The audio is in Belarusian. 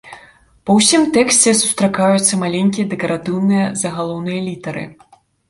Па ўсім тэксце сустракаюцца маленькія дэкаратыўныя загалоўныя літары.